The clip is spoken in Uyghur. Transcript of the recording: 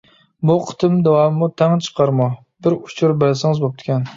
بۇ قېتىم داۋامىمۇ تەڭ چىقارمۇ؟ بىر ئۇچۇر بەرسىڭىز بوپتىكەن.